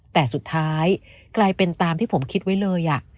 แต่สุดท้ายกลายเป็นตามที่ผมคิดไว้เลย